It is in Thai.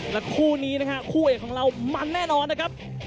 และคู่นี้นะฮะคู่เอกของเรามันแน่นอนนะครับ